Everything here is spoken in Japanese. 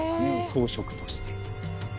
装飾として。